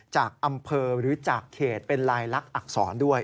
จากอำเภอหรือจากเขตเป็นลายลักษณอักษรด้วย